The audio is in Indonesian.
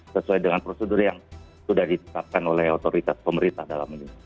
sesuai dengan prosedur yang sudah ditetapkan oleh otoritas pemerintah dalam ini